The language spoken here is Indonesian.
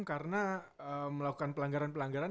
karena melakukan pelanggaran pelanggaran